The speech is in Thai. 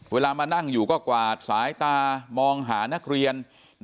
เวลามานั่งอยู่ก็กวาดสายตามองหานักเรียน